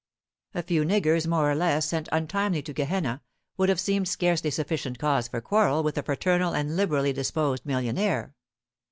A few niggers, more or less, sent untimely to Gehenna, would have seemed scarcely sufficient cause for quarrel with a fraternal and liberally disposed millionaire.